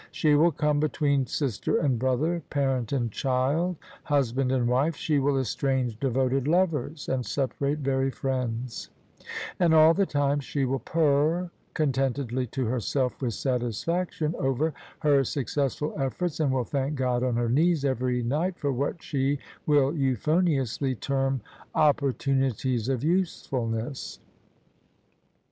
She will come between sister and brother, parent and child, husband and wife; she will estrange devoted lovers, and separate very friends: and all the time she will purr contentedly to herself with satisfaction over her successful efiEorts, and will thank Gk)d on her knees every night for what she will euphoniously term "oppor tunities of usefulness."